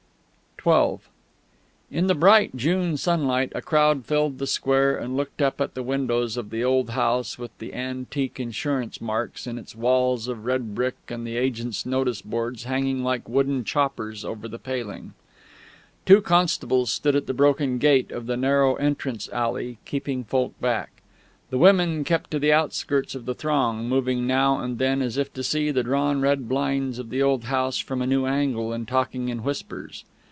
XII In the bright June sunlight a crowd filled the square, and looked up at the windows of the old house with the antique insurance marks in its walls of red brick and the agents' notice boards hanging like wooden choppers over the paling. Two constables stood at the broken gate of the narrow entrance alley, keeping folk back. The women kept to the outskirts of the throng, moving now and then as if to see the drawn red blinds of the old house from a new angle, and talking in whispers.